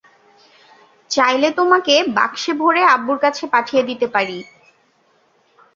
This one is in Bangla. চাইলে তোমাকে বাক্সে ভরে আব্বুর কাছে পাঠিয়ে দিতে পারি।